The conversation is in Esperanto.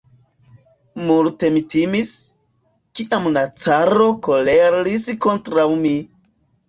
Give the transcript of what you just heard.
Multe mi timis, kiam la caro koleris kontraŭ mi!